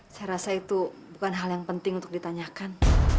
saya rasa itu bukan hal yang penting untuk ditanyakan